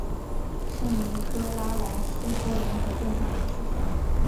圣尼科拉莱西托人口变化图示